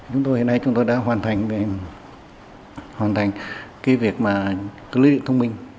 chúng tôi hiện nay chúng tôi đã hoàn thành cái việc mà lưới điện thông minh